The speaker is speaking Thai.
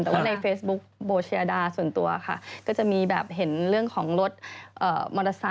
แต่ว่าในเฟซบุ๊กโบเชียดาส่วนตัวค่ะก็จะมีแบบเห็นเรื่องของรถมอเตอร์ไซค